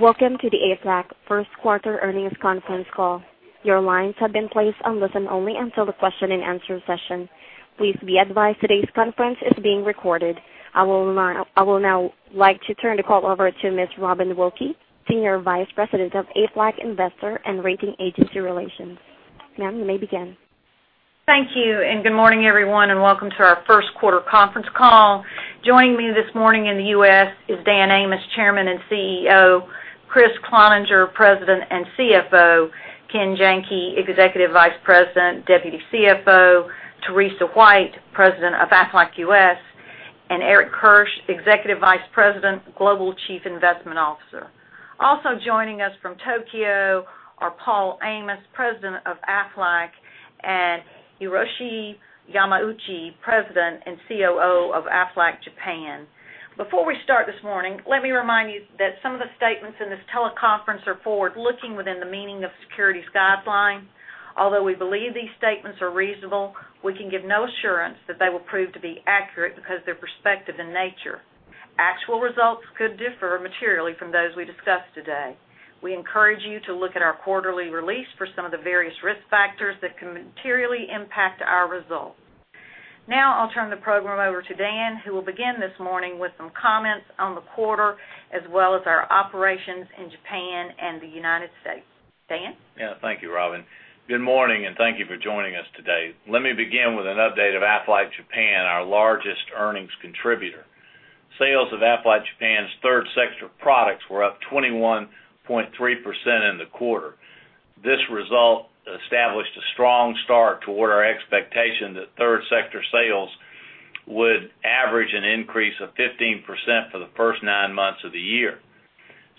Welcome to the Aflac first quarter earnings conference call. Your lines have been placed on listen-only until the question and answer session. Please be advised today's conference is being recorded. I will now like to turn the call over to Ms. Robin Wilkey, Senior Vice President of Aflac Investor and Rating Agency Relations. Ma'am, you may begin. Thank you. Good morning, everyone. Welcome to our first quarter conference call. Joining me this morning in the U.S. is Dan Amos, Chairman and CEO, Kriss Cloninger, President and CFO, Ken Janke, Executive Vice President, Deputy CFO, Teresa White, President of Aflac U.S., and Eric Kirsch, Executive Vice President, Global Chief Investment Officer. Also joining us from Tokyo are Paul Amos, President of Aflac, and Hiroshi Yamauchi, President and COO of Aflac Japan. Before we start this morning, let me remind you that some of the statements in this teleconference are forward-looking within the meaning of securities guideline. Although we believe these statements are reasonable, we can give no assurance that they will prove to be accurate because they are prospective in nature. Actual results could differ materially from those we discuss today. We encourage you to look at our quarterly release for some of the various risk factors that can materially impact our results. I will turn the program over to Dan, who will begin this morning with some comments on the quarter as well as our operations in Japan and the United States. Dan? Thank you, Robin. Good morning. Thank you for joining us today. Let me begin with an update of Aflac Japan, our largest earnings contributor. Sales of Aflac Japan's third sector products were up 21.3% in the quarter. This result established a strong start toward our expectation that third sector sales would average an increase of 15% for the first nine months of the year.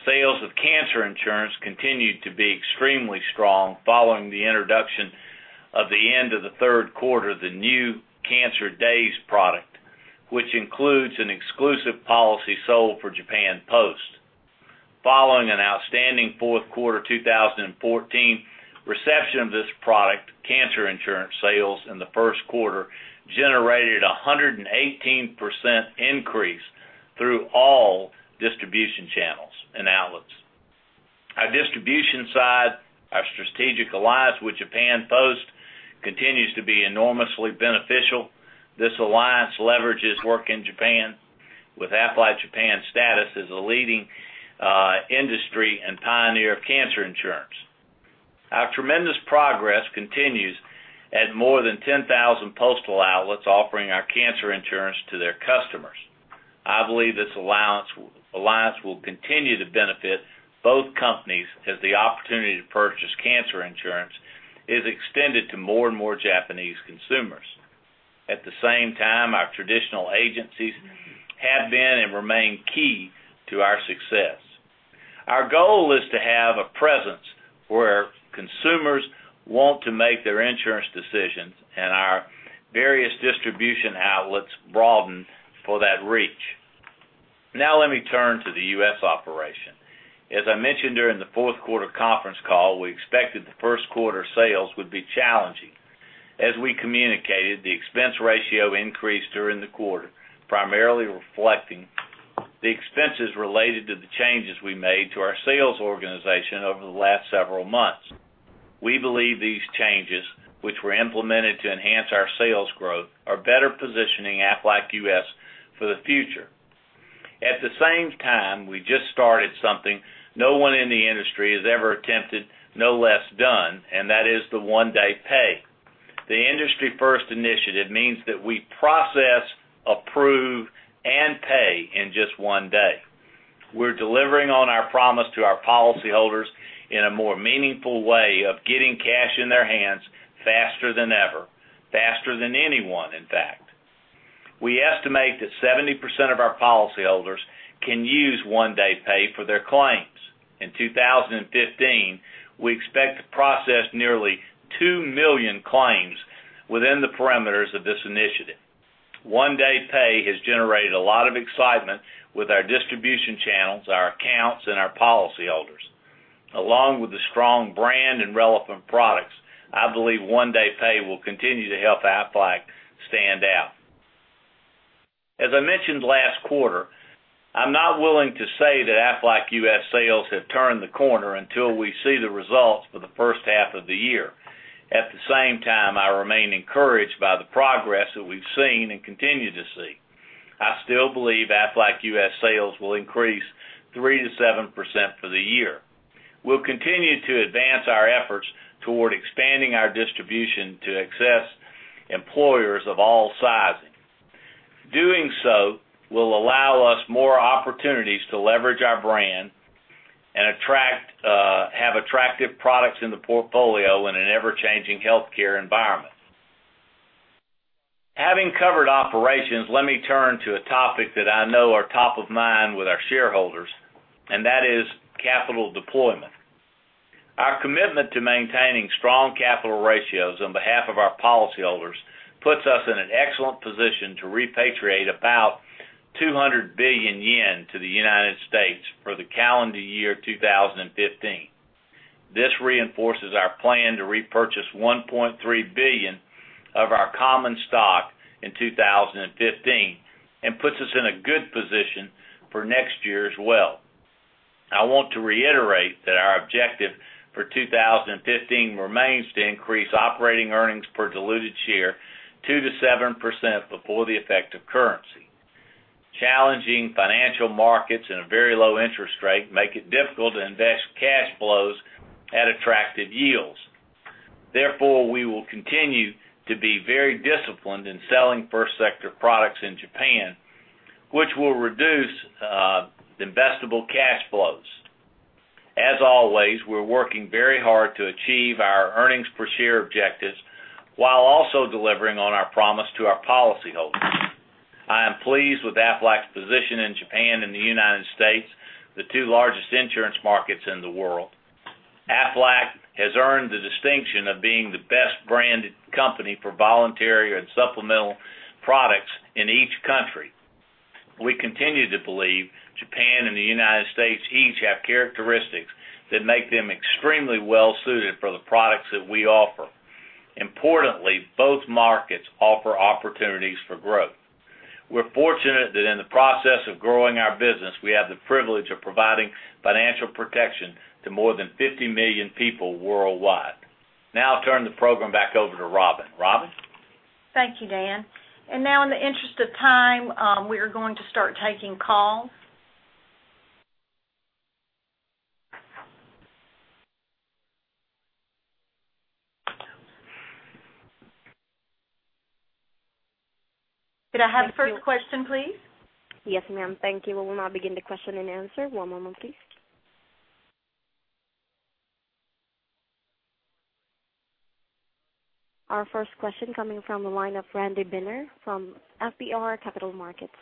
Sales of cancer insurance continued to be extremely strong following the introduction of the end of the third quarter, the new cancer insurance product, which includes an exclusive policy sold for Japan Post. Following an outstanding fourth quarter 2014 reception of this product, cancer insurance sales in the first quarter generated 118% increase through all distribution channels and outlets. Our distribution side. Our strategic alliance with Japan Post continues to be enormously beneficial. This alliance leverages work in Japan with Aflac Japan's status as a leading industry and pioneer of cancer insurance. Our tremendous progress continues at more than 10,000 postal outlets offering our cancer insurance to their customers. I believe this alliance will continue to benefit both companies as the opportunity to purchase cancer insurance is extended to more and more Japanese consumers. At the same time, our traditional agencies have been and remain key to our success. Our goal is to have a presence where consumers want to make their insurance decisions and our various distribution outlets broaden for that reach. Now let me turn to the U.S. operation. As I mentioned during the fourth quarter conference call, we expected the first quarter sales would be challenging. As we communicated, the expense ratio increased during the quarter, primarily reflecting the expenses related to the changes we made to our sales organization over the last several months. We believe these changes, which were implemented to enhance our sales growth, are better positioning Aflac U.S. for the future. At the same time, we just started something no one in the industry has ever attempted, no less done, and that is the One Day Pay. The industry's first initiative means that we process, approve, and pay in just one day. We're delivering on our promise to our policyholders in a more meaningful way of getting cash in their hands faster than ever, faster than anyone, in fact. We estimate that 70% of our policyholders can use One Day Pay for their claims. In 2015, we expect to process nearly 2 million claims within the parameters of this initiative. One Day Pay has generated a lot of excitement with our distribution channels, our accounts, and our policyholders. Along with the strong brand and relevant products, I believe One Day Pay will continue to help Aflac stand out. As I mentioned last quarter, I'm not willing to say that Aflac U.S. sales have turned the corner until we see the results for the first half of the year. At the same time, I remain encouraged by the progress that we've seen and continue to see. I still believe Aflac U.S. sales will increase 3%-7% for the year. We'll continue to advance our efforts toward expanding our distribution to access employers of all sizes. Doing so will allow us more opportunities to leverage our brand and have attractive products in the portfolio in an ever-changing healthcare environment. Having covered operations, let me turn to a topic that I know are top of mind with our shareholders, and that is capital deployment. Our commitment to maintaining strong capital ratios on behalf of our policyholders puts us in an excellent position to repatriate about 200 billion yen to the U.S. for the calendar year 2015. This reinforces our plan to repurchase $1.3 billion of our common stock in 2015, and puts us in a good position for next year as well. I want to reiterate that our objective for 2015 remains to increase operating earnings per diluted share 2%-7% before the effect of currency. Challenging financial markets and a very low interest rate make it difficult to invest cash flows at attractive yields. Therefore, we will continue to be very disciplined in selling first sector products in Japan, which will reduce investable cash flows. As always, we're working very hard to achieve our earnings per share objectives while also delivering on our promise to our policyholders. I am pleased with Aflac's position in Japan and the U.S., the two largest insurance markets in the world. Aflac has earned the distinction of being the best-branded company for voluntary and supplemental products in each country. We continue to believe Japan and the U.S. each have characteristics that make them extremely well-suited for the products that we offer. Importantly, both markets offer opportunities for growth. We're fortunate that in the process of growing our business, we have the privilege of providing financial protection to more than 50 million people worldwide. I'll turn the program back over to Robin. Robin? Thank you, Dan. In the interest of time, we are going to start taking calls. Could I have the first question, please? Yes, ma'am. Thank you. We will now begin the question and answer. One moment, please. Our first question coming from the line of Randy Binner from FBR Capital Markets.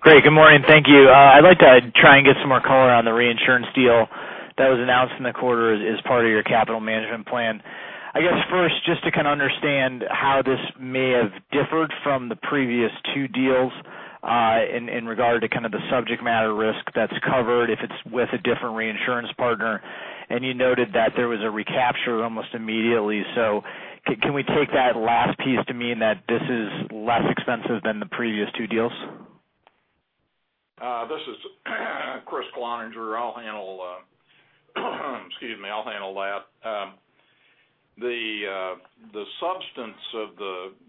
Great. Good morning. Thank you. I'd like to try and get some more color on the reinsurance deal that was announced in the quarter as part of your capital management plan. I guess, first, just to kind of understand how this may have differed from the previous two deals, in regard to kind of the subject matter risk that's covered if it's with a different reinsurance partner. You noted that there was a recapture almost immediately. Can we take that last piece to mean that this is less expensive than the previous two deals? This is Kriss Cloninger. I'll handle that. The substance of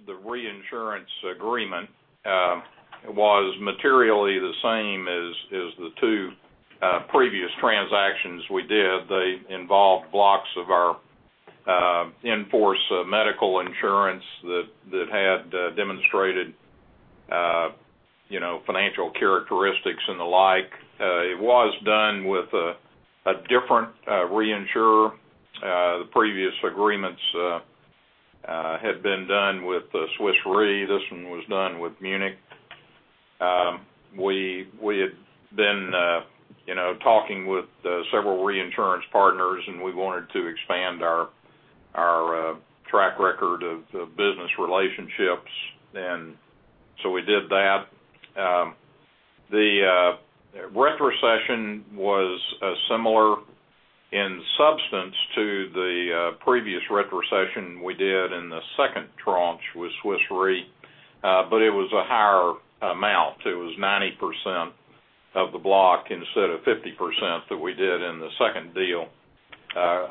the reinsurance agreement was materially the same as the two previous transactions we did. They involved blocks of our in-force medical insurance that had demonstrated financial characteristics and the like. It was done with a different reinsurer. The previous agreements had been done with Swiss Re. This one was done with Munich Re. We had been talking with several reinsurance partners, we wanted to expand our track record of business relationships, and we did that. The retrocession was similar in substance to the previous retrocession we did in the second tranche with Swiss Re, it was a higher amount. It was 90% of the block instead of 50% that we did in the second deal.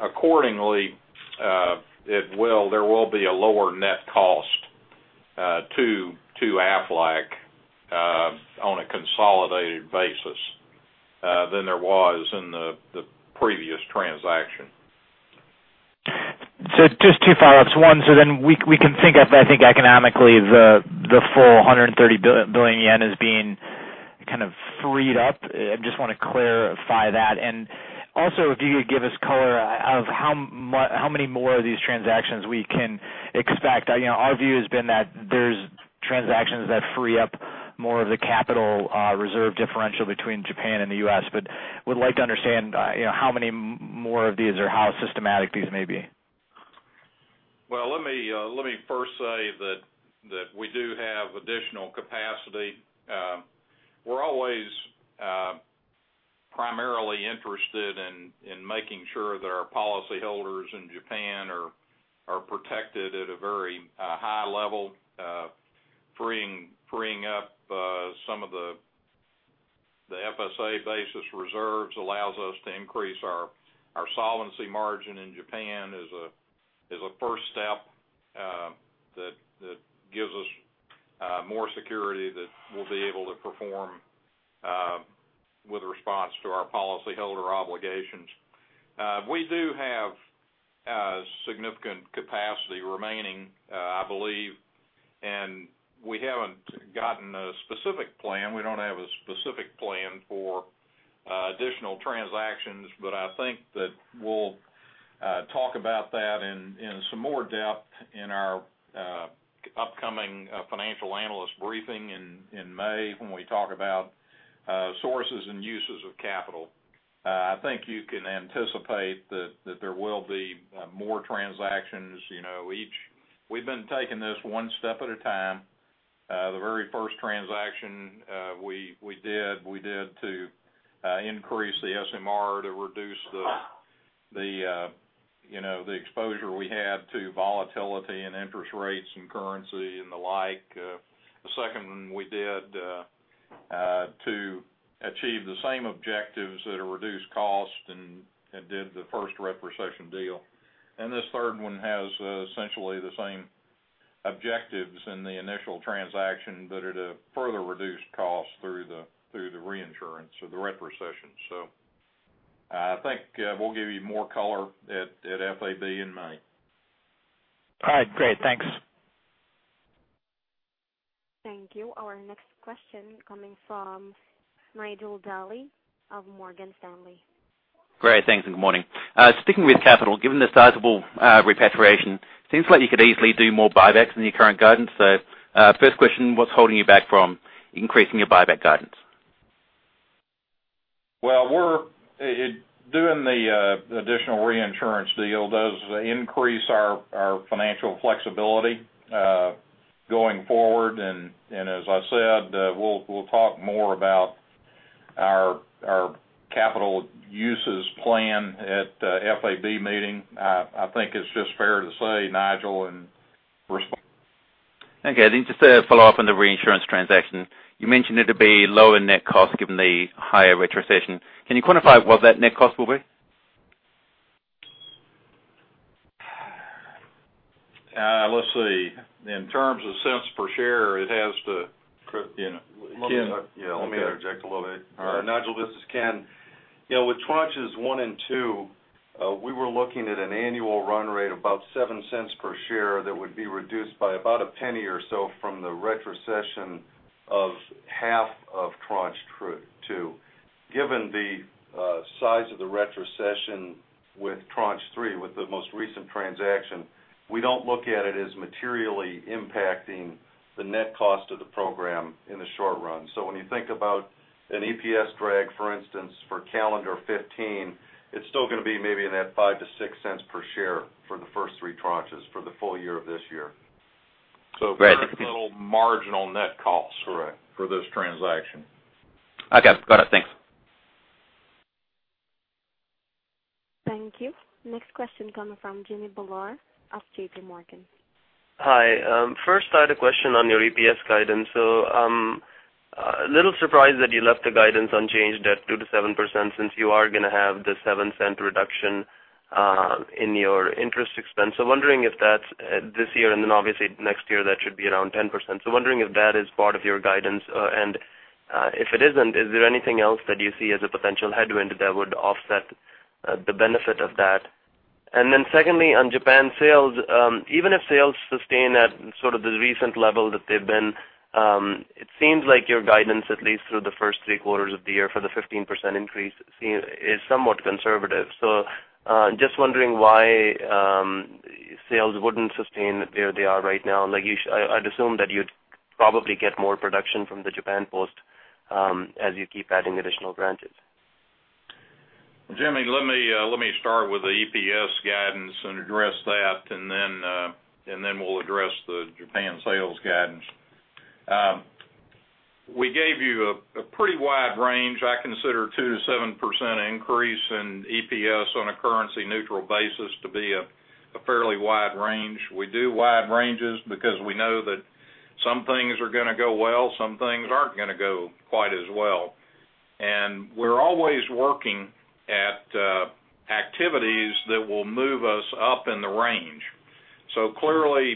Accordingly, there will be a lower net cost to Aflac on a consolidated basis than there was in the previous transaction. Just two follow-ups. One, we can think, I think economically, the full 130 billion yen as being kind of freed up. I just want to clarify that. Also, if you could give us color of how many more of these transactions we can expect. Our view has been that there's transactions that free up more of the capital reserve differential between Japan and the U.S., would like to understand how many more of these or how systematic these may be. Let me first say that we do have additional capacity. We're always primarily interested in making sure that our policyholders in Japan are protected at a very high level. Freeing up some of the FSA basis reserves allows us to increase our solvency margin in Japan as a first step that gives us more security that we'll be able to perform with response to our policyholder obligations. We do have significant capacity remaining, I believe, we haven't gotten a specific plan. We don't have a specific plan for additional transactions, I think that we'll talk about that in some more depth in our upcoming financial analyst briefing in May when we talk about sources and uses of capital. I think you can anticipate that there will be more transactions. We've been taking this one step at a time. The very first transaction we did, we did to increase the SMR to reduce the exposure we had to volatility in interest rates and currency and the like. The second one we did to achieve the same objectives at a reduced cost and did the first retrocession deal. This third one has essentially the same objectives in the initial transaction, but at a further reduced cost through the reinsurance or the retrocession. I think we'll give you more color at FAB in May. All right, great. Thanks. Thank you. Our next question coming from Nigel Dally of Morgan Stanley. Great. Thanks, good morning. Sticking with capital, given the sizable repatriation, seems like you could easily do more buybacks than your current guidance. First question, what's holding you back from increasing your buyback guidance? Well, doing the additional reinsurance deal does increase our financial flexibility going forward, and as I said, we'll talk more about our capital uses plan at the FAB meeting. I think it's just fair to say, Nigel. Okay. I think just to follow up on the reinsurance transaction. You mentioned it'll be lower net cost given the higher retrocession. Can you quantify what that net cost will be? Let's see. In terms of cents per share, it has to. Let me interject a little bit. All right. Nigel, this is Ken. With tranches one and two, we were looking at an annual run rate about $0.07 per share that would be reduced by about $0.01 or so from the retrocession of half of tranche two. Given the size of the retrocession with tranche three, with the most recent transaction, we don't look at it as materially impacting the net cost of the program in the short run. When you think about an EPS drag, for instance, for calendar 2015, it's still going to be maybe in that $0.05 to $0.06 per share for the first three tranches for the full year of this year. Right. Very little marginal net cost for this transaction. Okay. Got it. Thanks. Thank you. Next question coming from Jimmy Bhullar of JPMorgan. Hi. First I had a question on your EPS guidance. I'm a little surprised that you left the guidance unchanged at 2%-7% since you are going to have the $0.07 reduction in your interest expense. Wondering if that's this year and then obviously next year that should be around 10%. Wondering if that is part of your guidance, and if it isn't, is there anything else that you see as a potential headwind that would offset the benefit of that? Secondly, on Japan sales, even if sales sustain at sort of the recent level that they've been, it seems like your guidance, at least through the first three quarters of the year for the 15% increase is somewhat conservative. Just wondering why sales wouldn't sustain where they are right now. I'd assume that you'd probably get more production from the Japan Post as you keep adding additional branches. Jimmy Bhullar, let me start with the EPS guidance and address that. We'll address the Japan sales guidance. We gave you a pretty wide range. I consider 2%-7% increase in EPS on a currency neutral basis to be a fairly wide range. We do wide ranges because we know that some things are going to go well, some things aren't going to go quite as well. We're always working at activities that will move us up in the range. Clearly,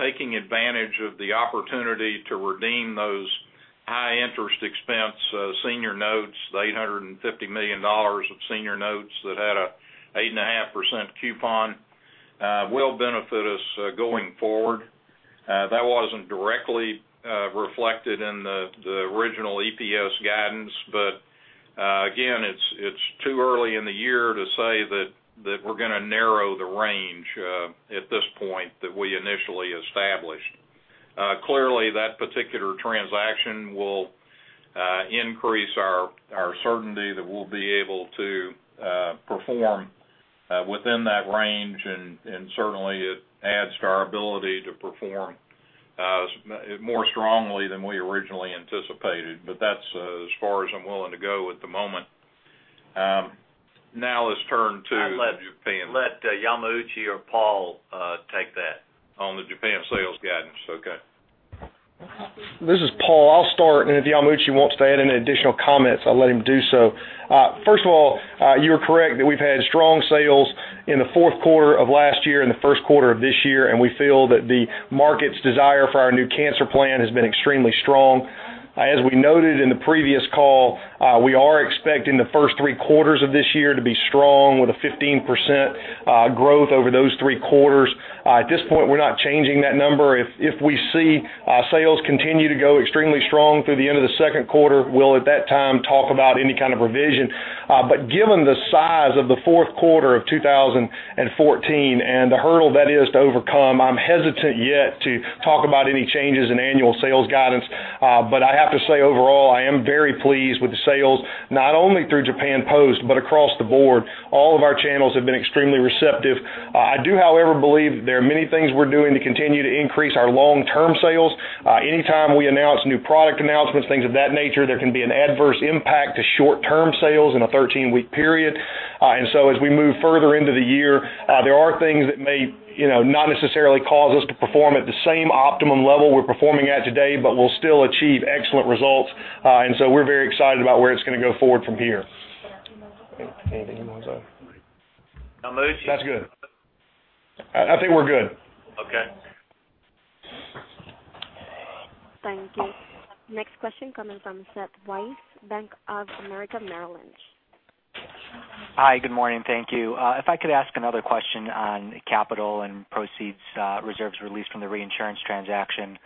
taking advantage of the opportunity to redeem those high interest expense senior notes, the $850 million of senior notes that had an eight-and-a-half % coupon will benefit us going forward. That wasn't directly reflected in the original EPS guidance, again, it's too early in the year to say that we're going to narrow the range at this point that we initially established. Clearly, that particular transaction will increase our certainty that we'll be able to perform within that range, and certainly it adds to our ability to perform more strongly than we originally anticipated. That's as far as I'm willing to go at the moment. Now let's turn to Japan. I'll let Yamauchi or Paul take that. On the Japan sales guidance. Okay. This is Paul. I'll start, and if Yamauchi wants to add any additional comments, I'll let him do so. First of all, you are correct that we've had strong sales in the fourth quarter of last year and the first quarter of this year, and we feel that the market's desire for our new cancer plan has been extremely strong. As we noted in the previous call, we are expecting the first three quarters of this year to be strong with a 15% growth over those three quarters. At this point, we're not changing that number. If we see our sales continue to go extremely strong through the end of the second quarter, we'll at that time talk about any kind of revision. Given the size of the fourth quarter of 2014 and the hurdle that is to overcome, I'm hesitant yet to talk about any changes in annual sales guidance. I have to say, overall, I am very pleased with the sales, not only Only through Japan Post, but across the board, all of our channels have been extremely receptive. I do, however, believe there are many things we're doing to continue to increase our long-term sales. Anytime we announce new product announcements, things of that nature, there can be an adverse impact to short-term sales in a 13-week period. As we move further into the year, there are things that may not necessarily cause us to perform at the same optimum level we're performing at today, but we'll still achieve excellent results. We're very excited about where it's going to go forward from here. Anything you want to- That's good. I think we're good. Okay. Thank you. Next question coming from Seth Weiss, Bank of America, Merrill Lynch. Hi, good morning. Thank you. If I could ask another question on capital and proceeds, reserves released from the reinsurance transaction.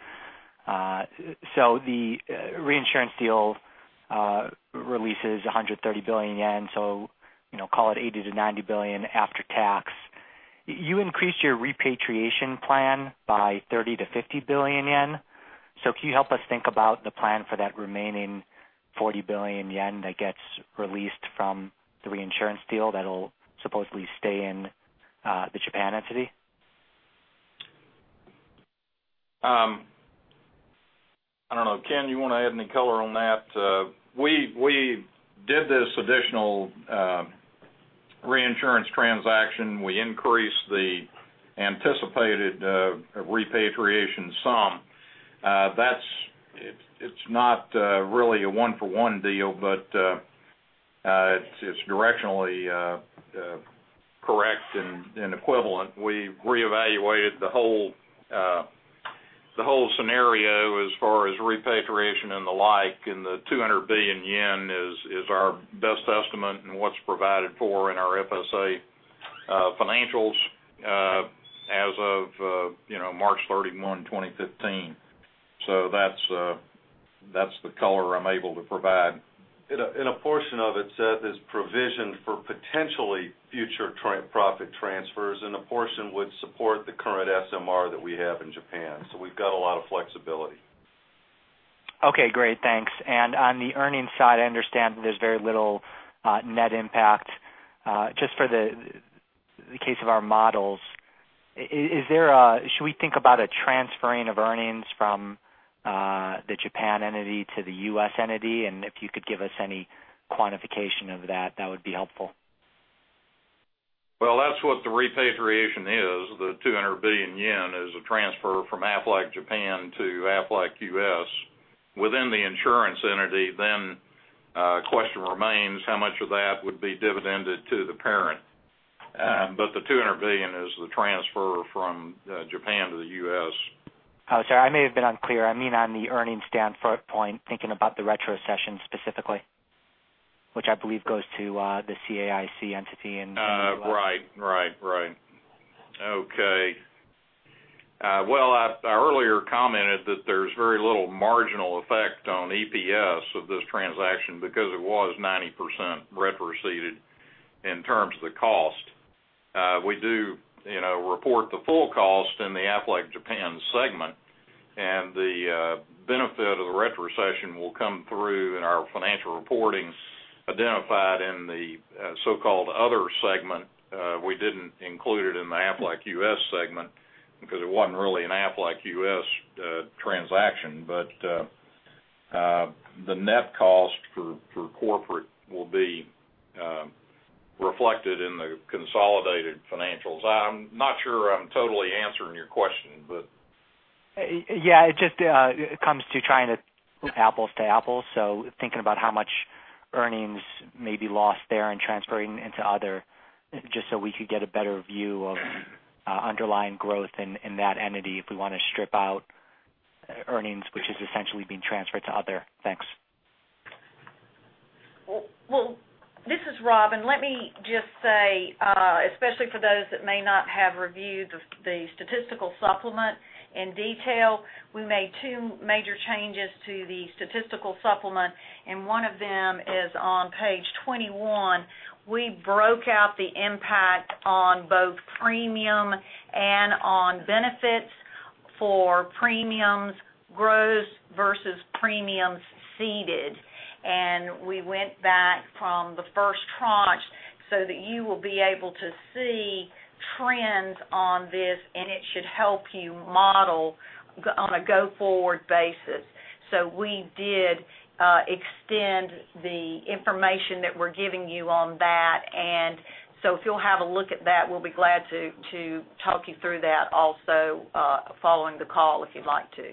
The reinsurance deal releases 130 billion yen, call it 80 billion to 90 billion after tax. You increased your repatriation plan by 30 billion to 50 billion yen. Can you help us think about the plan for that remaining 40 billion yen that gets released from the reinsurance deal that'll supposedly stay in the Japan entity? I don't know. Ken, you want to add any color on that? We did this additional reinsurance transaction. We increased the anticipated repatriation sum. It's not really a one-for-one deal, but it's directionally correct and equivalent. We reevaluated the whole scenario as far as repatriation and the like, and the 200 billion yen is our best estimate in what's provided for in our FSA financials as of March 31, 2015. That's the color I'm able to provide. A portion of it, Seth, is provisioned for potentially future profit transfers, and a portion would support the current SMR that we have in Japan. We've got a lot of flexibility. Okay, great. Thanks. On the earnings side, I understand there's very little net impact. Just for the case of our models, should we think about a transferring of earnings from the Japan entity to the U.S. entity? If you could give us any quantification of that would be helpful. Well, that's what the repatriation is. The 200 billion yen is a transfer from Aflac Japan to Aflac U.S. within the insurance entity, question remains how much of that would be dividended to the parent. The 200 billion is the transfer from Japan to the U.S. Sorry, I mean on the earnings standpoint, thinking about the retrocession specifically, which I believe goes to the CAIC entity in- Right. Okay. Well, I earlier commented that there's very little marginal effect on EPS of this transaction because it was 90% retroceded in terms of the cost. We do report the full cost in the Aflac Japan segment, and the benefit of the retrocession will come through in our financial reportings identified in the so-called other segment. We didn't include it in the Aflac U.S. segment because it wasn't really an Aflac U.S. transaction. The net cost for corporate will be reflected in the consolidated financials. I'm not sure I'm totally answering your question. Yeah, it just comes to trying to apples to apples. Thinking about how much earnings may be lost there in transferring into other, just so we could get a better view of underlying growth in that entity if we want to strip out earnings, which is essentially being transferred to other. Thanks. Well, this is Rob, let me just say, especially for those that may not have reviewed the statistical supplement in detail, we made two major changes to the statistical supplement, one of them is on page 21. We broke out the impact on both premium and on benefits for premiums gross versus premiums ceded. We went back from the first tranche so that you will be able to see trends on this, and it should help you model on a go-forward basis. We did extend the information that we're giving you on that. If you'll have a look at that, we'll be glad to talk you through that also following the call if you'd like to.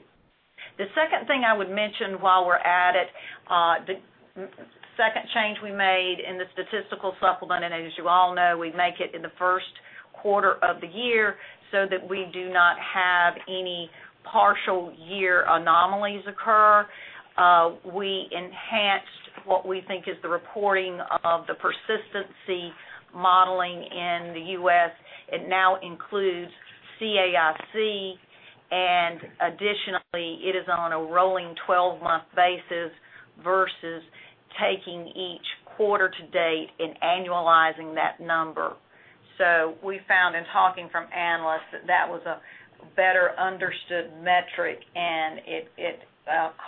The second thing I would mention while we're at it, the second change we made in the statistical supplement, as you all know, we make it in the first quarter of the year so that we do not have any partial year anomalies occur. We enhanced what we think is the reporting of the persistency modeling in the U.S. It now includes CAIC, and additionally, it is on a rolling 12-month basis versus taking each quarter to date and annualizing that number. We found in talking from analysts that was a better understood metric, and it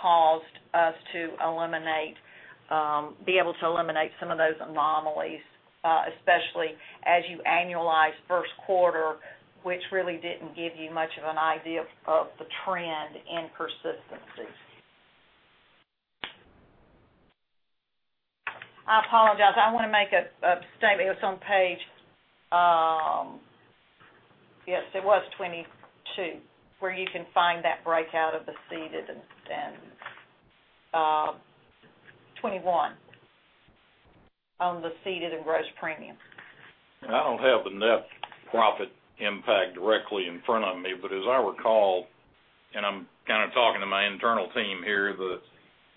caused us to be able to eliminate some of those anomalies, especially as you annualize first quarter, which really didn't give you much of an idea of the trend in persistencies. I apologize. I want to make a statement. It's on page, yes, it was 21, where you can find that breakout of the ceded and gross premium. I don't have the net profit impact directly in front of me, but as I recall, and I'm kind of talking to my internal team here, the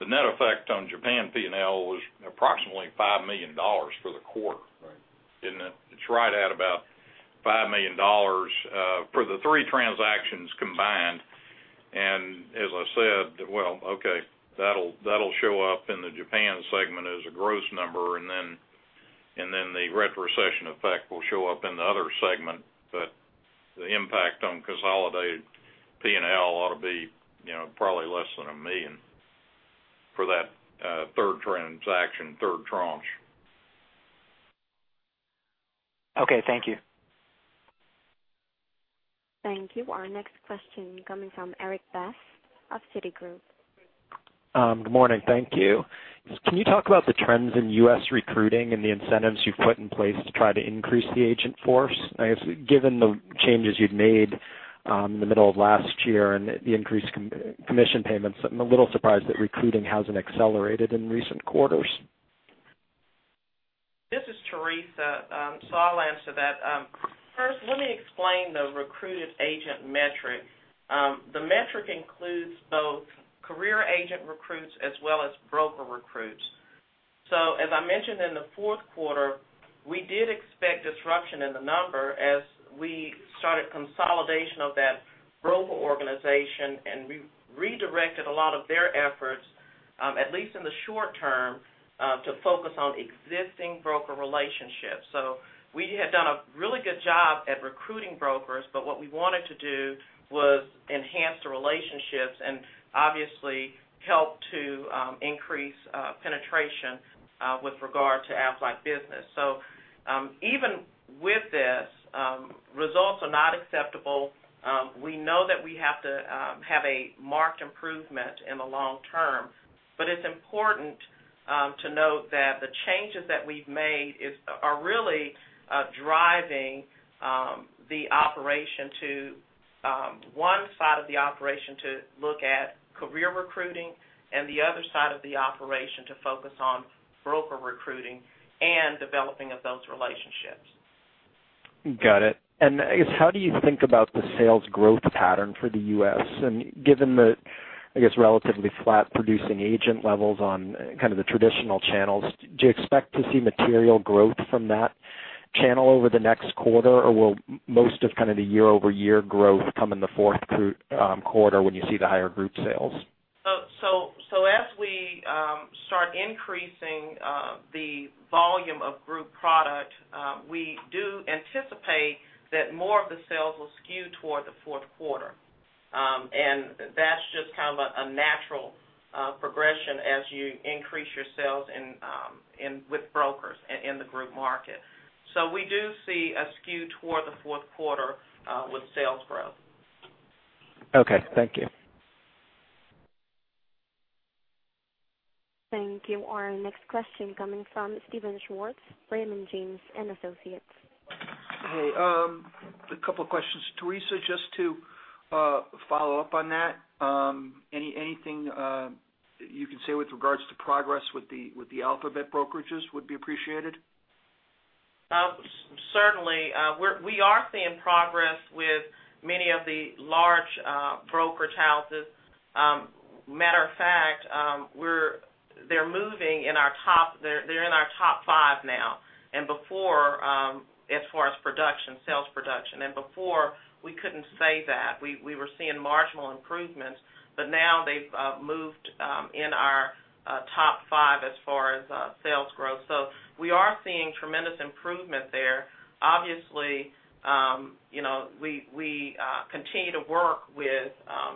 net effect on Japan P&L was approximately $5 million for the quarter. Right. Isn't it? It's right at about $5 million for the three transactions combined. As I said, well, okay, that'll show up in the Japan segment as a gross number, and then the retrocession effect will show up in the other segment. The impact on consolidated P&L ought to be probably less than $1 million for that third transaction, third tranche. Okay. Thank you. Thank you. Our next question coming from Erik Bass of Citigroup. Good morning. Thank you. Can you talk about the trends in U.S. recruiting and the incentives you've put in place to try to increase the agent force? I guess, given the changes you'd made in the middle of last year and the increased commission payments, I'm a little surprised that recruiting hasn't accelerated in recent quarters. This is Teresa. I'll answer that. First, let me explain the recruited agent metric. The metric includes both career agent recruits as well as broker recruits. As I mentioned in the fourth quarter, we did expect disruption in the number as we started consolidation of that broker organization, and we redirected a lot of their efforts, at least in the short term, to focus on existing broker relationships. We had done a really good job at recruiting brokers, but what we wanted to do was enhance the relationships and obviously help to increase penetration with regard to Aflac business. Even with this, results are not acceptable. We know that we have to have a marked improvement in the long term, it's important to note that the changes that we've made are really driving one side of the operation to look at career recruiting and the other side of the operation to focus on broker recruiting and developing of those relationships. Got it. I guess, how do you think about the sales growth pattern for the U.S.? Given the, I guess, relatively flat producing agent levels on kind of the traditional channels, do you expect to see material growth from that channel over the next quarter? Or will most of kind of the year-over-year growth come in the fourth quarter when you see the higher group sales? As we start increasing the volume of group product, we do anticipate that more of the sales will skew toward the fourth quarter. That's just kind of a natural progression as you increase your sales with brokers in the group market. We do see a skew toward the fourth quarter with sales growth. Okay, thank you. Thank you. Our next question coming from Steven Schwartz, Raymond James & Associates. Hey, a couple of questions. Teresa, just to follow up on that, anything you can say with regards to progress with the alphabet brokers would be appreciated. Certainly. We are seeing progress with many of the large brokerage houses. Matter of fact, they're in our top five now, as far as sales production. Before, we couldn't say that. We were seeing marginal improvements, but now they've moved in our top five as far as sales growth. We are seeing tremendous improvement there. Obviously, we continue to work with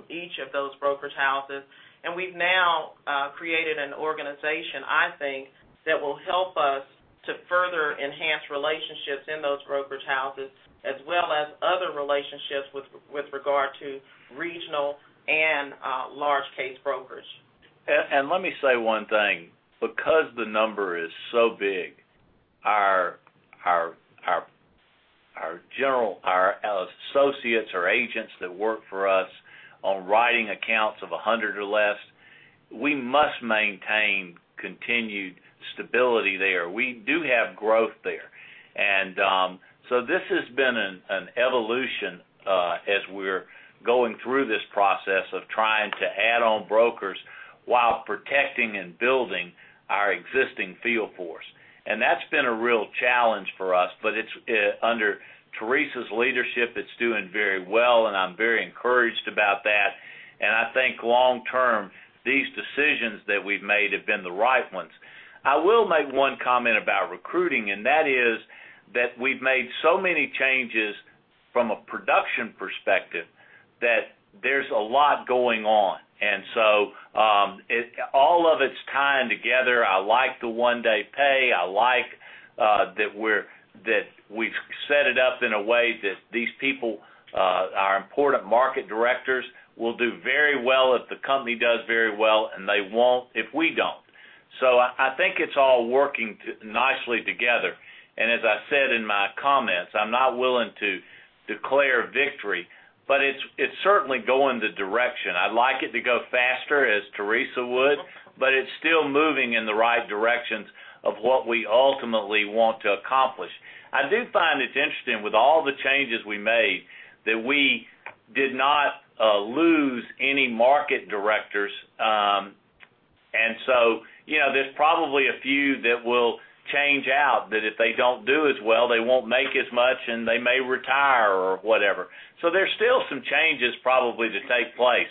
each of those brokerage houses, and we've now created an organization, I think, that will help us to further enhance relationships in those brokerage houses, as well as other relationships with regard to regional and large case brokers. Let me say one thing. Because the number is so big, our associates or agents that work for us on writing accounts of 100 or less, we must maintain continued stability there. We do have growth there. This has been an evolution as we're going through this process of trying to add on brokers while protecting and building our existing field force. That's been a real challenge for us, but under Teresa's leadership, it's doing very well, and I'm very encouraged about that. I think long term, these decisions that we've made have been the right ones. I will make one comment about recruiting, and that is that we've made so many changes from a production perspective that there's a lot going on. All of it's tying together. I like the One Day Pay. I like that we've set it up in a way that these people, our important market directors, will do very well if the company does very well, and they won't if we don't. I think it's all working nicely together. As I said in my comments, I'm not willing to declare victory, but it's certainly going the direction. I'd like it to go faster, as Teresa would, but it's still moving in the right directions of what we ultimately want to accomplish. I do find it interesting with all the changes we made, that we did not lose any market directors. There's probably a few that will change out, that if they don't do as well, they won't make as much, and they may retire or whatever. There's still some changes probably to take place.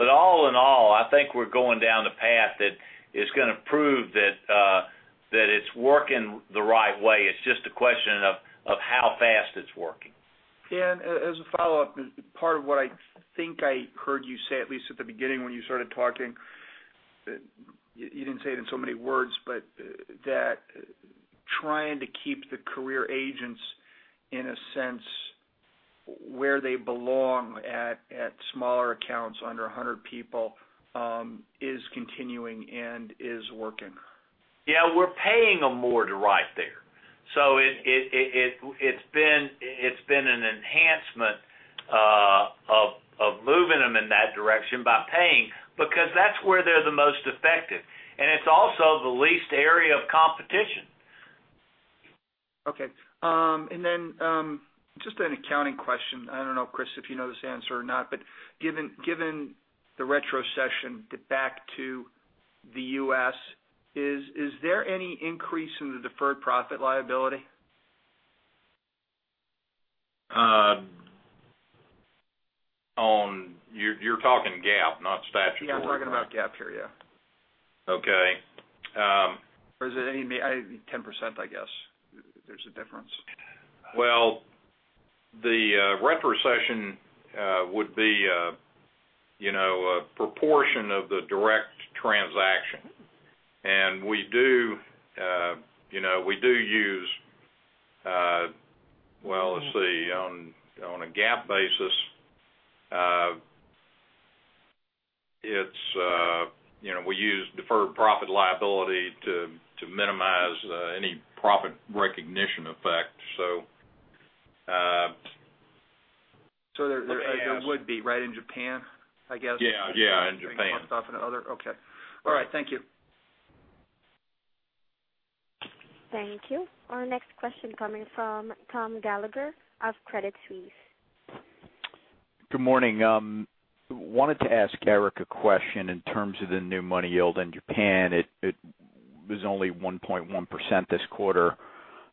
All in all, I think we're going down the path that is going to prove that it's working the right way. It's just a question of how fast it's working. Yeah. As a follow-up, part of what I think I heard you say, at least at the beginning when you started talking, you didn't say it in so many words, but that trying to keep the career agents, in a sense, where they belong at smaller accounts under 100 people, is continuing and is working. Yeah. We're paying them more to ride there. It's been an enhancement of moving them in that direction by paying, because that's where they're the most effective. It's also the least area of competition. Okay. Just an accounting question. I don't know, Kriss, if you know this answer or not, but given the retrocession back to the U.S., is there any increase in the deferred profit liability? You're talking GAAP, not statutory, right? I'm talking about GAAP here. Okay. Is it maybe 10%, I guess. If there's a difference. The retrocession would be a proportion of the direct transaction. We do use, on a GAAP basis, we use deferred profit liability to minimize any profit recognition effect. There would be, right? In Japan, I guess. Yeah. In Japan. Okay. All right. Thank you. Thank you. Our next question coming from Thomas Gallagher of Credit Suisse. Good morning. Wanted to ask Eric a question in terms of the new money yield in Japan. It was only 1.1% this quarter.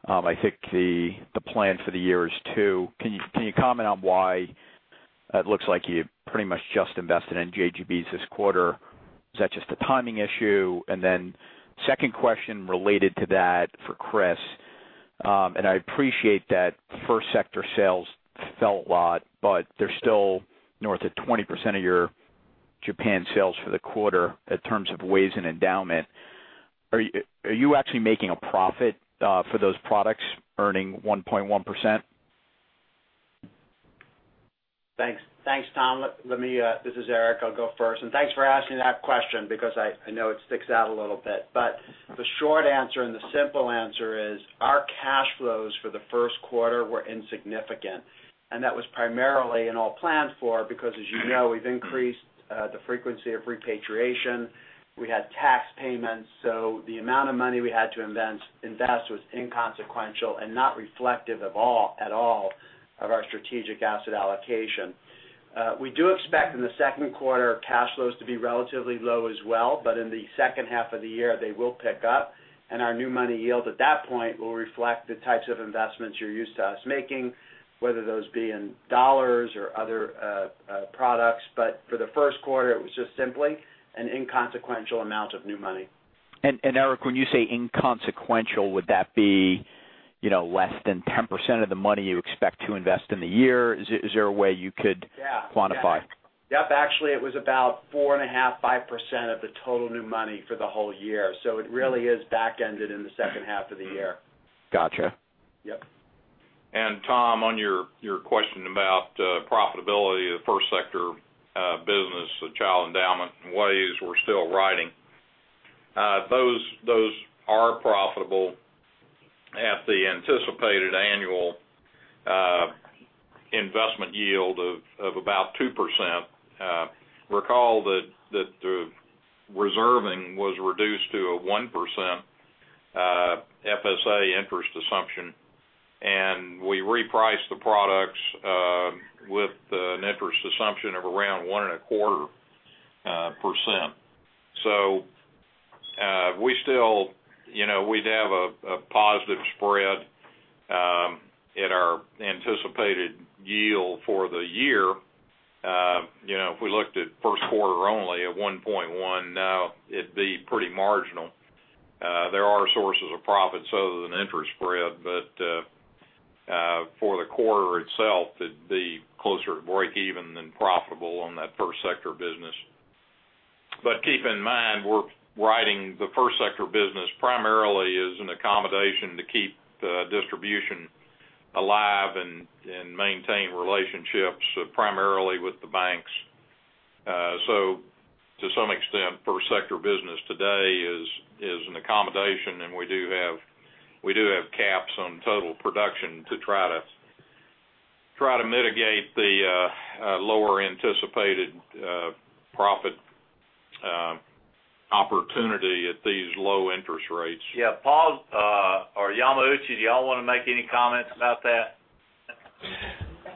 I think the plan for the year is 2%. Can you comment on why it looks like you pretty much just invested in JGBs this quarter? Is that just a timing issue? Second question related to that for Kriss, and I appreciate that the first sector sales fell a lot, but they're still north of 20% of your Japan sales for the quarter in terms of WAYS in endowment. Are you actually making a profit, for those products earning 1.1%? Thanks, Tom. This is Eric. I'll go first. Thanks for asking that question because I know it sticks out a little bit. The short answer and the simple answer is, our cash flows for the first quarter were insignificant. That was primarily and all planned for because as you know, we've increased the frequency of repatriation. We had tax payments, so the amount of money we had to invest was inconsequential and not reflective at all of our strategic asset allocation. We do expect in the second quarter cash flows to be relatively low as well, but in the second half of the year, they will pick up, and our new money yield at that point will reflect the types of investments you're used to us making, whether those be in dollars or other products. For the first quarter, it was just simply an inconsequential amount of new money. Eric, when you say inconsequential, would that be less than 10% of the money you expect to invest in the year? Is there a way you could- Yeah quantify? Yep. Actually, it was about four and a half, 5% of the total new money for the whole year. It really is back-ended in the second half of the year. Got you. Yep. Tom, on your question about profitability of first sector business, the child endowment and WAYS we're still riding. Those are profitable at the anticipated annual investment yield of about 2%. Recall that the reserving was reduced to a 1% FSA interest assumption, and we repriced the products with an interest assumption of around 1.25%. We'd have a positive spread anticipated yield for the year, if we looked at first quarter only at 1.1 now, it'd be pretty marginal. There are sources of profit other than interest spread, but for the quarter itself, it'd be closer to breakeven than profitable on that first sector business. Keep in mind, we're riding the first sector business primarily as an accommodation to keep the distribution alive and maintain relationships, primarily with the banks. To some extent, first sector business today is an accommodation, and we do have caps on total production to try to mitigate the lower anticipated profit opportunity at these low interest rates. Yeah. Paul or Yamauchi, do y'all want to make any comments about that?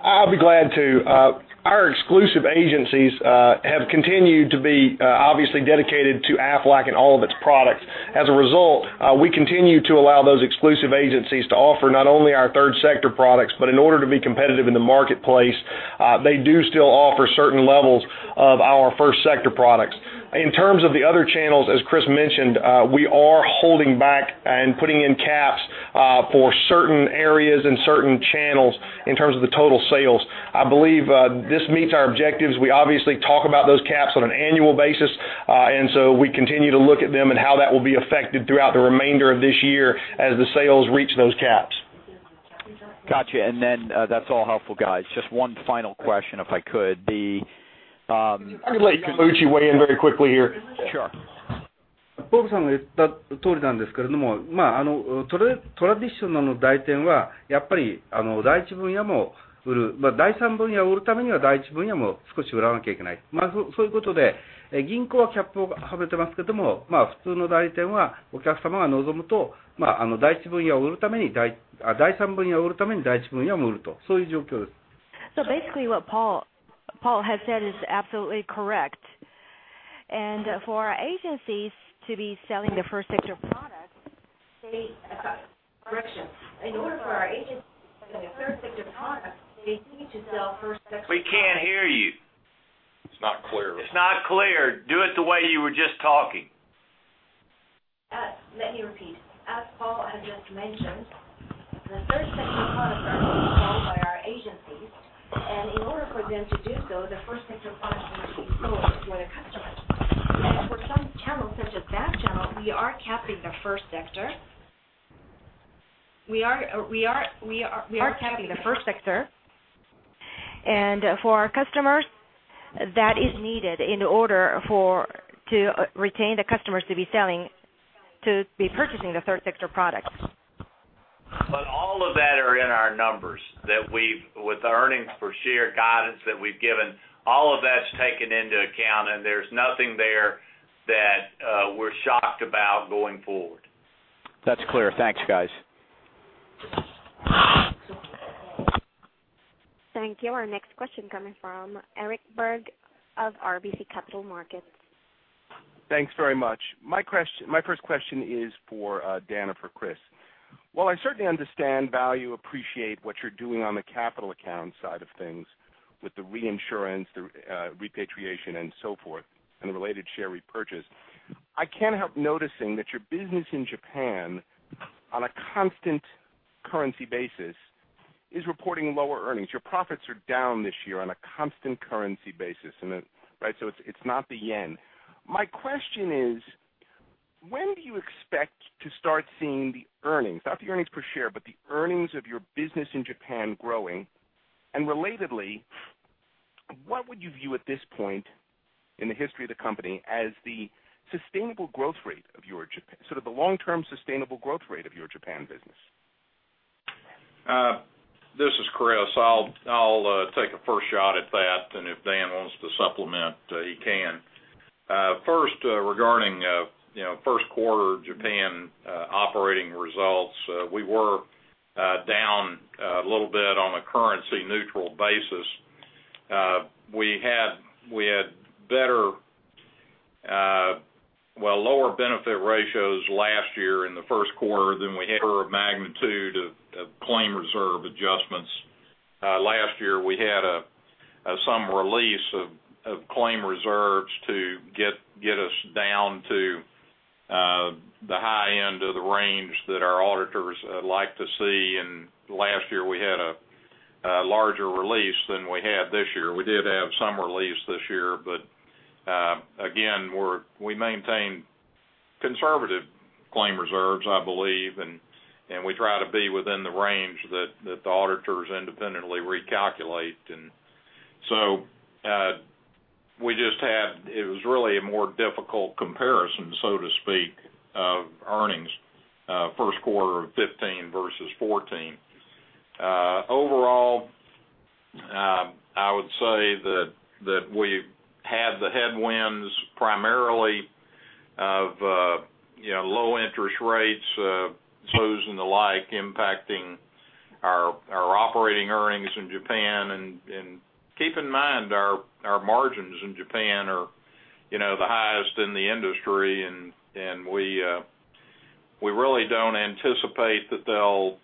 I'll be glad to. Our exclusive agencies have continued to be obviously dedicated to Aflac and all of its products. As a result, we continue to allow those exclusive agencies to offer not only our third sector products, but in order to be competitive in the marketplace, they do still offer certain levels of our first sector products. In terms of the other channels, as Kriss mentioned, we are holding back and putting in caps for certain areas and certain channels in terms of the total sales. I believe this meets our objectives. We obviously talk about those caps on an annual basis. We continue to look at them and how that will be affected throughout the remainder of this year as the sales reach those caps. Got you. That's all helpful, guys. Just one final question if I could. I can let Yamauchi weigh in very quickly here. Sure. Basically what Paul has said is absolutely correct. For our agencies to be selling the first sector product, they Correction. In order for our agencies to sell the third sector product, they need to sell first sector. We can't hear you. It's not clear. It's not clear. Do it the way you were just talking. Let me repeat. As Paul has just mentioned, the Third Sector products are sold by our agencies, and in order for them to do so, the First Sector products must be sold to the customers. For some channels, such as that channel, we are capping the First Sector. We are capping the First Sector, and for our customers, that is needed in order to retain the customers to be purchasing the Third Sector products. All of that are in our numbers, with the earnings per share guidance that we've given, all of that's taken into account, and there's nothing there that we're shocked about going forward. That's clear. Thanks, guys. Thank you. Our next question coming from Eric Berg of RBC Capital Markets. Thanks very much. My first question is for Dan or for Kriss. While I certainly understand, value, appreciate what you're doing on the capital account side of things with the reinsurance, the repatriation, and so forth, and the related share repurchase, I can't help noticing that your business in Japan on a constant currency basis is reporting lower earnings. Your profits are down this year on a constant currency basis, right? It's not the yen. My question is, when do you expect to start seeing the earnings, not the earnings per share, but the earnings of your business in Japan growing? Relatedly, what would you view at this point in the history of the company as the sustainable growth rate of your Japan, sort of the long-term sustainable growth rate of your Japan business? This is Kriss. I'll take a first shot at that, and if Dan wants to supplement, he can. First, regarding first quarter Japan operating results, we were down a little bit on a currency neutral basis. We had lower benefit ratios last year in the first quarter than we ever of magnitude of claim reserve adjustments. Last year, we had some release of claim reserves to get us down to the high end of the range that our auditors like to see. Last year we had a larger release than we had this year. We did have some release this year. Again, we maintain conservative claim reserves, I believe. We try to be within the range that the auditors independently recalculate. It was really a more difficult comparison, so to speak, of earnings first quarter of 2015 versus 2014. Overall, I would say that we had the headwinds primarily of low interest rates, SOEs and the like impacting our operating earnings. Keep in mind, our margins in Japan are the highest in the industry. We really don't anticipate that they'll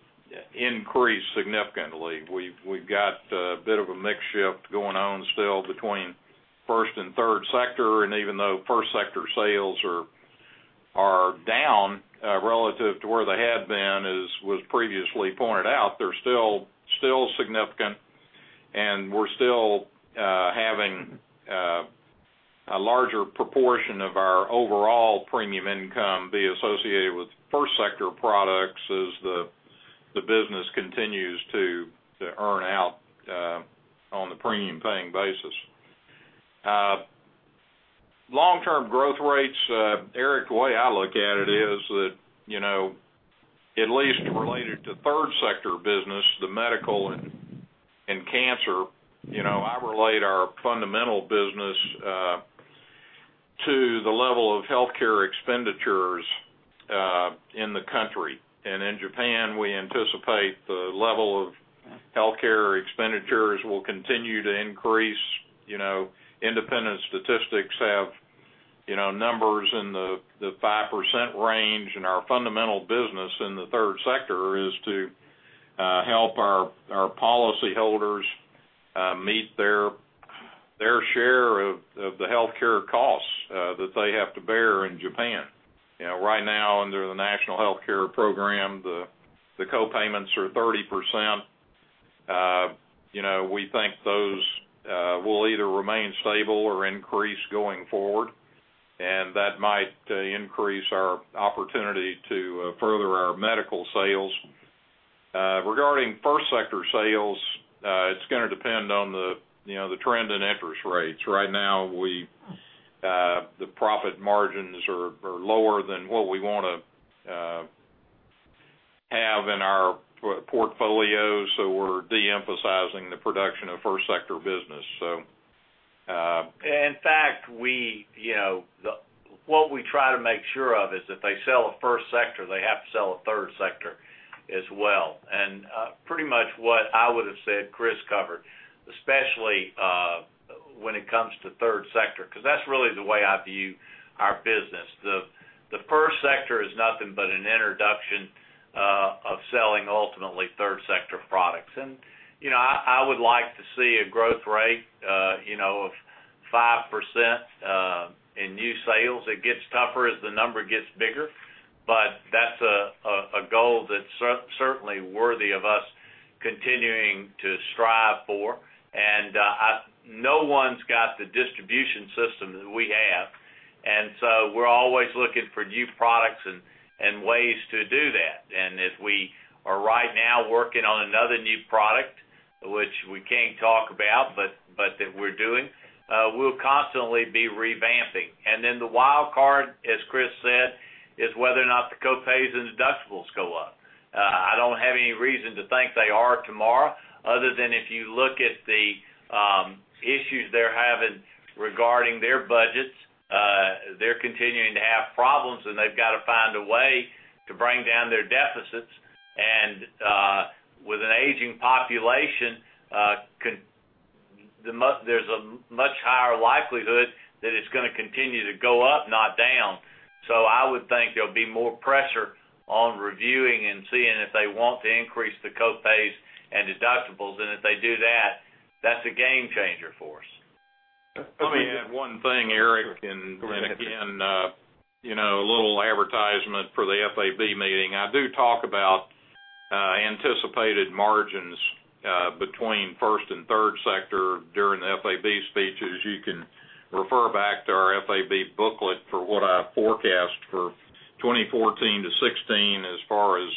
increase significantly. We've got a bit of a mix shift going on still between first and third sector. Even though first sector sales are down relative to where they had been, as was previously pointed out, they're still significant. We're still having a larger proportion of our overall premium income be associated with first sector products as the business continues to earn out on the premium paying basis. Long-term growth rates, Eric, the way I look at it is that, at least related to third sector business, the medical and cancer, I relate our fundamental business to the level of healthcare expenditures in the country. In Japan, we anticipate the level of healthcare expenditures will continue to increase. Independent statistics have numbers in the 5% range. Our fundamental business in the third sector is to help our policyholders meet their share of the healthcare costs that they have to bear in Japan. Right now, under the National Health Insurance Program, the co-payments are 30%. We think those will either remain stable or increase going forward. That might increase our opportunity to further our medical sales. Regarding first sector sales, it's going to depend on the trend in interest rates. Right now, the profit margins are lower than what we want to have in our portfolio. We're de-emphasizing the production of first sector business. In fact, what we try to make sure of is if they sell a first sector, they have to sell a third sector as well. Pretty much what I would've said, Kriss covered, especially when it comes to third sector, because that's really the way I view our business. The first sector is nothing but an introduction of selling ultimately third sector products. I would like to see a growth rate of 5% in new sales. It gets tougher as the number gets bigger. That's a goal that's certainly worthy of us continuing to strive for. No one's got the distribution system that we have. We're always looking for new products and ways to do that. If we are right now working on another new product, which we can't talk about, but that we're doing, we'll constantly be revamping. The wild card, as Kriss said, is whether or not the co-pays and deductibles go up. I don't have any reason to think they are tomorrow, other than if you look at the issues they're having regarding their budgets, they're continuing to have problems, and they've got to find a way to bring down their deficits. With an aging population, there's a much higher likelihood that it's going to continue to go up, not down. I would think there'll be more pressure on reviewing and seeing if they want to increase the co-pays and deductibles. If they do that's a game changer for us. Let me add one thing, Eric, and again, a little advertisement for the FAB meeting. I do talk about anticipated margins between first and third sector during the FAB speeches. You can refer back to our FAB booklet for what I forecast for 2014 to 2016 as far as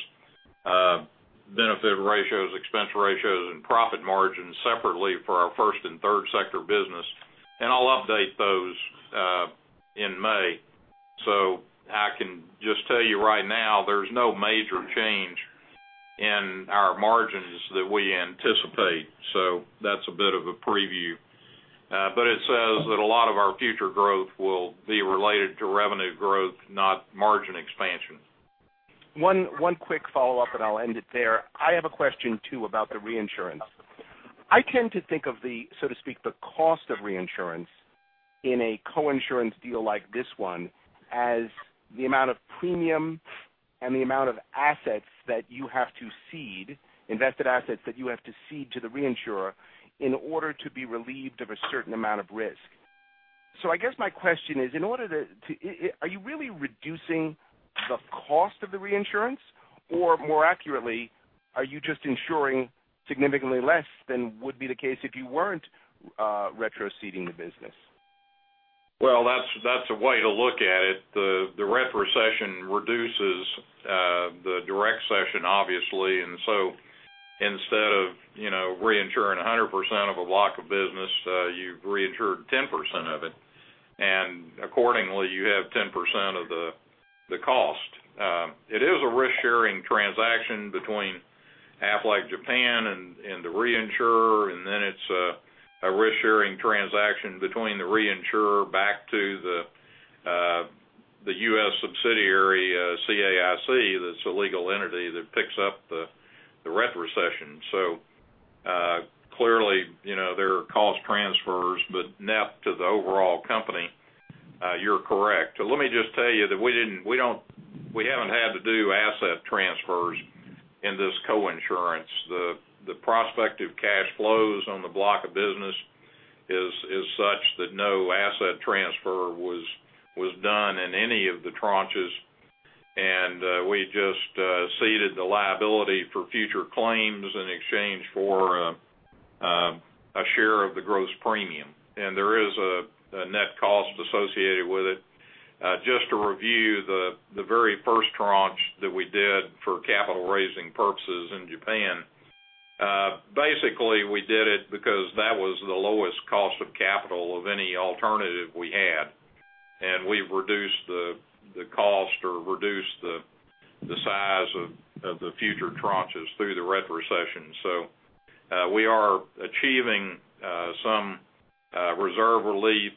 benefit ratios, expense ratios, and profit margins separately for our first and third sector business. I'll update those in May. I can just tell you right now, there's no major change in our margins that we anticipate. That's a bit of a preview. It says that a lot of our future growth will be related to revenue growth, not margin expansion. One quick follow-up, and I'll end it there. I have a question, too, about the reinsurance. I tend to think of the, so to speak, the cost of reinsurance in a coinsurance deal like this one as the amount of premium and the amount of assets that you have to cede, invested assets that you have to cede to the reinsurer in order to be relieved of a certain amount of risk. I guess my question is, are you really reducing the cost of the reinsurance? Or more accurately, are you just insuring significantly less than would be the case if you weren't retroceding the business? That's a way to look at it. The retrocession reduces the direct cession, obviously. Instead of reinsuring 100% of a block of business, you've reinsured 10% of it. Accordingly, you have 10% of the cost. It is a risk-sharing transaction between Aflac Japan and the reinsurer, then it's a risk-sharing transaction between the reinsurer back to the U.S. subsidiary. It's a legal entity that picks up the retrocession. Clearly, there are cost transfers, but net to the overall company, you're correct. Let me just tell you that we haven't had to do asset transfers in this coinsurance. The prospective cash flows on the block of business is such that no asset transfer was done in any of the tranches. We just ceded the liability for future claims in exchange for a share of the gross premium. There is a net cost associated with it. Just to review the very first tranche that we did for capital raising purposes in Japan. We did it because that was the lowest cost of capital of any alternative we had, and we've reduced the cost or reduced the size of the future tranches through the retrocession. We are achieving some reserve relief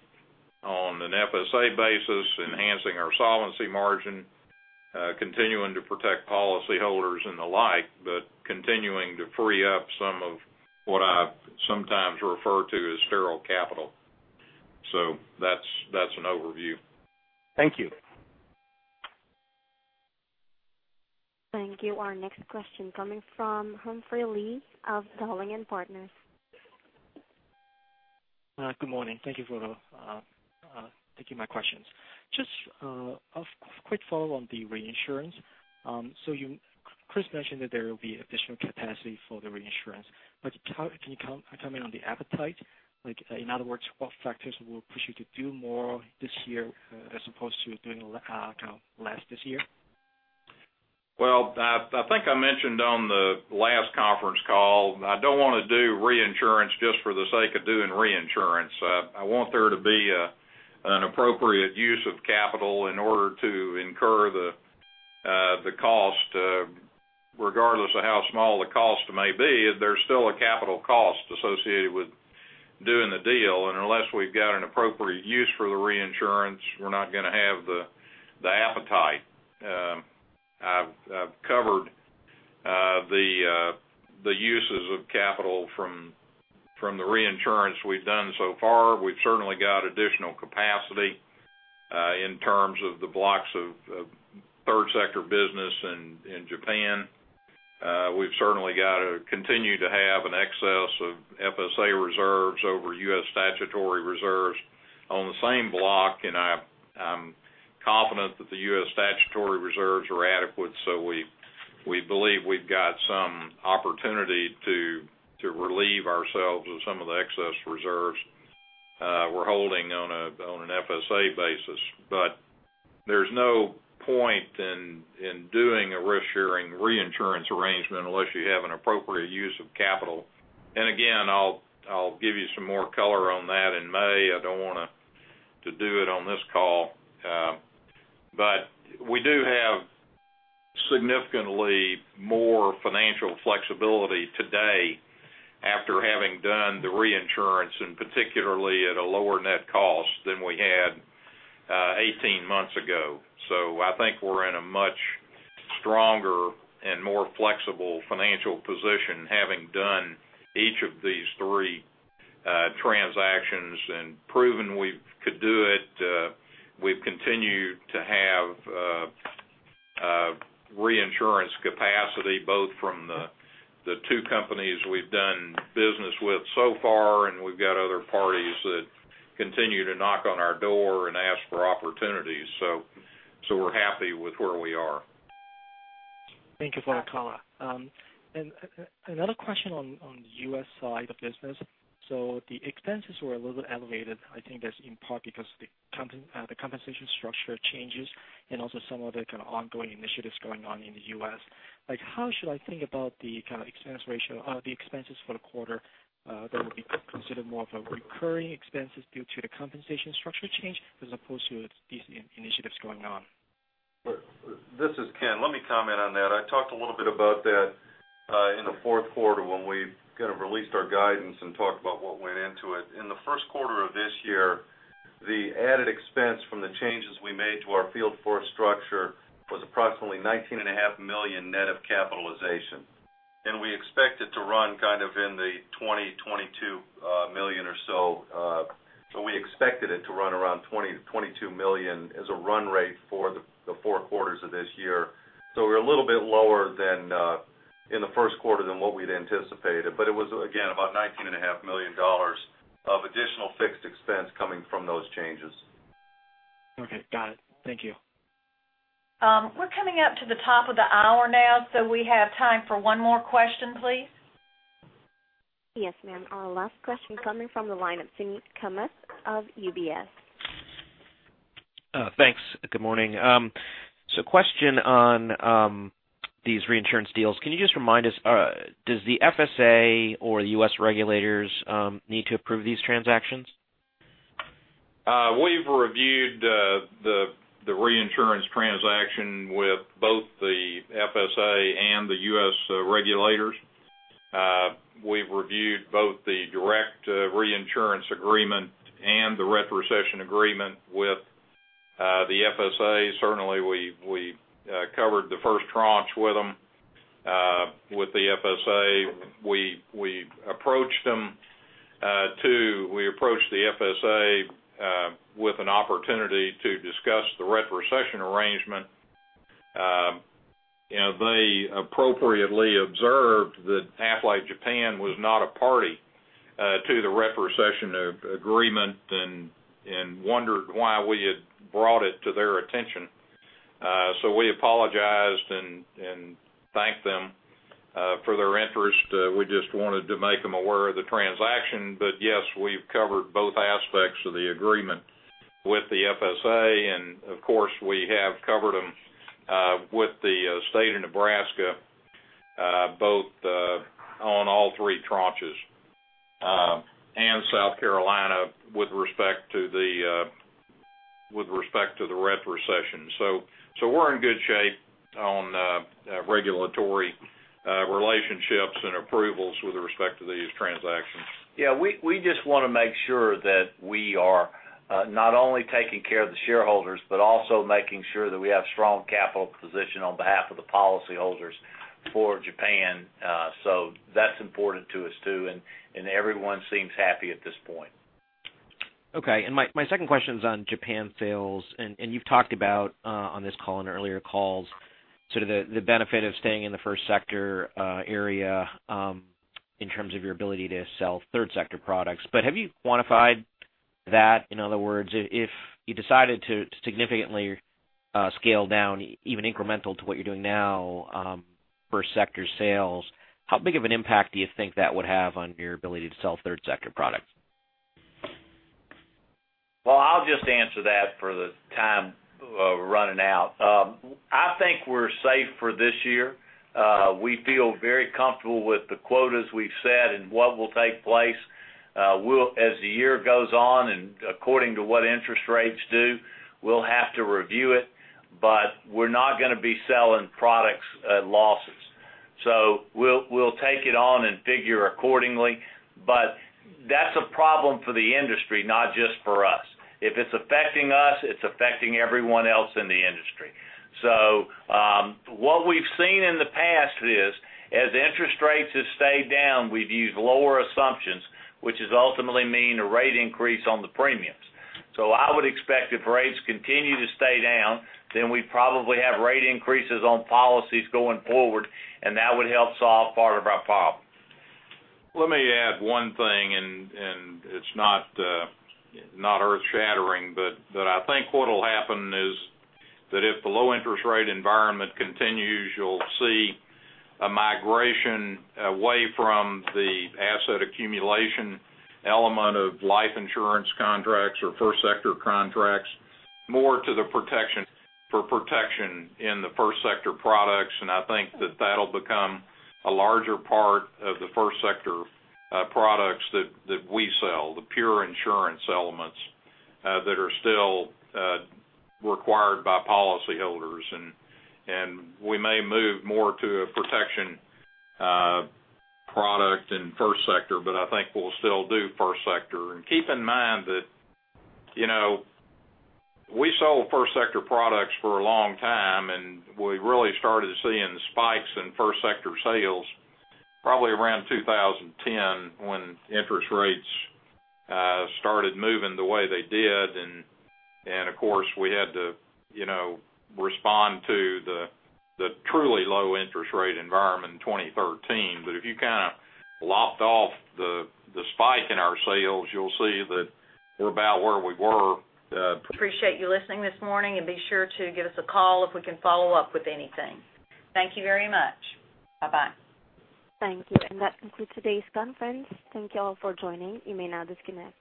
on an FSA basis, enhancing our solvency margin, continuing to protect policyholders and the like, but continuing to free up some of what I sometimes refer to as sterile capital. That's an overview. Thank you. Thank you. Our next question coming from Humphrey Lee of Dowling & Partners. Good morning. Thank you for taking my questions. Just a quick follow on the reinsurance. Kriss mentioned that there will be additional capacity for the reinsurance, but can you comment on the appetite? In other words, what factors will push you to do more this year as opposed to doing less this year? Well, I think I mentioned on the last conference call, I don't want to do reinsurance just for the sake of doing reinsurance. I want there to be an appropriate use of capital in order to incur the cost. Regardless of how small the cost may be, there's still a capital cost associated with doing the deal. Unless we've got an appropriate use for the reinsurance, we're not going to have the appetite. I've covered the uses of capital from the reinsurance we've done so far. We've certainly got additional capacity in terms of the blocks of third sector business in Japan. We've certainly got to continue to have an excess of FSA reserves over U.S. statutory reserves on the same block, and I'm confident that the U.S. statutory reserves are adequate. We believe we've got some opportunity to relieve ourselves of some of the excess reserves we're holding on an FSA basis. There's no point in doing a risk-sharing reinsurance arrangement unless you have an appropriate use of capital. Again, I'll give you some more color on that in May. I don't want to do it on this call. We do have significantly more financial flexibility today after having done the reinsurance, and particularly at a lower net cost than we had 18 months ago. I think we're in a much stronger and more flexible financial position, having done each of these three transactions and proven we could do it. We've continued to have reinsurance capacity, both from the two companies we've done business with so far, and we've got other parties that continue to knock on our door and ask for opportunities. We're happy with where we are. Thank you for the call. Another question on U.S. side of business. The expenses were a little bit elevated. I think that's in part because of the compensation structure changes and also some of the kind of ongoing initiatives going on in the U.S. How should I think about the kind of expense ratio or the expenses for the quarter that would be considered more of a recurring expenses due to the compensation structure change as opposed to these initiatives going on? This is Ken. Let me comment on that. I talked a little bit about that in the fourth quarter when we kind of released our guidance and talked about what went into it. In the first quarter of this year, the added expense from the changes we made to our field force structure was approximately $19.5 million net of capitalization. We expect it to run kind of in the $20 million-$22 million or so. We expected it to run around $20 million to $22 million as a run rate for the four quarters of this year. We're a little bit lower than in the first quarter than what we'd anticipated, but it was again about $19.5 million of additional fixed expense coming from those changes. Okay. Got it. Thank you. We're coming up to the top of the hour now. We have time for one more question, please. Yes, ma'am. Our last question coming from the line of Suneet Kamath of UBS. Thanks. Good morning. Question on these reinsurance deals. Can you just remind us, does the FSA or the U.S. regulators need to approve these transactions? We've reviewed the reinsurance transaction with both the FSA and the U.S. regulators. We've reviewed both the direct reinsurance agreement and the retrocession agreement with the FSA. Certainly, we covered the first tranche with them. With the FSA, we approached the FSA with an opportunity to discuss the retrocession arrangement. They appropriately observed that Aflac Japan was not a party to the retrocession agreement and wondered why we had brought it to their attention. We apologized and thanked them for their interest. We just wanted to make them aware of the transaction. Yes, we've covered both aspects of the agreement with the FSA, and of course, we have covered them with the state of Nebraska both on all three tranches and South Carolina with respect to the retrocession. We're in good shape on regulatory relationships and approvals with respect to these transactions. Yeah. We just want to make sure that we are not only taking care of the shareholders, but also making sure that we have strong capital position on behalf of the policyholders for Japan. That's important to us, too, and everyone seems happy at this point. Okay. My second question's on Japan sales, and you've talked about on this call and earlier calls sort of the benefit of staying in the first sector area in terms of your ability to sell third sector products. Have you quantified that? In other words, if you decided to significantly scale down even incremental to what you're doing now first sector sales, how big of an impact do you think that would have on your ability to sell third sector products? I'll just answer that for the time running out. I think we're safe for this year. We feel very comfortable with the quotas we've set and what will take place. As the year goes on and according to what interest rates do, we'll have to review it. We're not going to be selling products at a loss. We'll take it on and figure accordingly. That's a problem for the industry, not just for us. If it's affecting us, it's affecting everyone else in the industry. What we've seen in the past is as interest rates have stayed down, we've used lower assumptions, which is ultimately mean a rate increase on the premiums. I would expect if rates continue to stay down, we probably have rate increases on policies going forward, and that would help solve part of our problem. Let me add one thing. It's not earth-shattering. I think what'll happen is that if the low interest rate environment continues, you'll see a migration away from the asset accumulation element of life insurance contracts or first sector contracts, more to the protection for protection in the first sector products. I think that that'll become a larger part of the first sector products that we sell, the pure insurance elements that are still required by policyholders. We may move more to a protection product in first sector. I think we'll still do first sector. Keep in mind that we sold first sector products for a long time, and we really started seeing spikes in first sector sales probably around 2010 when interest rates started moving the way they did. Of course, we had to respond to the truly low interest rate environment in 2013. If you kind of lopped off the spike in our sales, you'll see that we're about where we were. Appreciate you listening this morning. Be sure to give us a call if we can follow up with anything. Thank you very much. Bye-bye. Thank you. That concludes today's conference. Thank you all for joining. You may now disconnect.